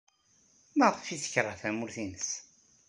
Maɣef ay tekṛeh tamurt-nnes?